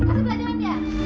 kasih belanjaan dia